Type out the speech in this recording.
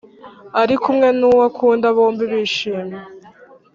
ari kumwe n’uwakunda bombi bishimye